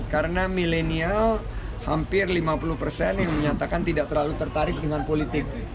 karena milenial hampir lima puluh persen yang menyatakan tidak terlalu tertarik dengan politik